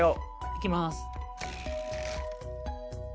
いきます。